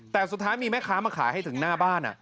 แต่สุดท้ายมีแม่ค้ามาขายให้ถึงหน้าบ้าน